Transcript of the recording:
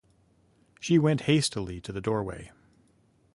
She went hastily to the doorway.